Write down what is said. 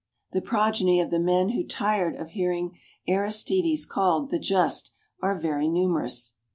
The progeny of the men who tired of hearing Aristides called The Just are very numerous.